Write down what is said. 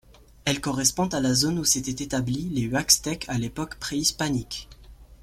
Elle correspond à la zone où s'étaient établis les Huaxtèques à l'époque préhispanique.